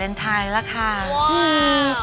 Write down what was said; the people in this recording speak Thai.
แอร์โหลดแล้วคุณล่ะโหลดแล้ว